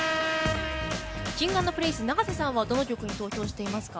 Ｋｉｎｇ＆Ｐｒｉｎｃｅ永瀬さんはどの曲に投票していますか？